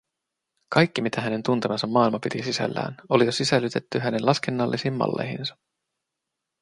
Kaikki, mitä hänen tuntemansa maailma piti sisällään, oli jo sisällytetty hänen laskennallisiin malleihinsa.